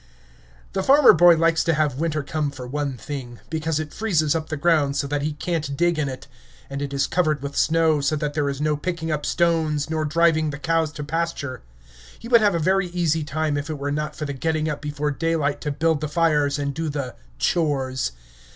The farmer boy likes to have winter come for one thing, because it freezes up the ground so that he can't dig in it; and it is covered with snow so that there is no picking up stones, nor driving the cows to pasture. He would have a very easy time if it were not for the getting up before daylight to build the fires and do the "chores."